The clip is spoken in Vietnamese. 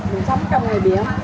mình sống trong người biển